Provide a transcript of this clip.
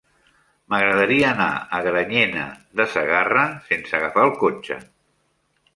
M'agradaria anar a Granyena de Segarra sense agafar el cotxe.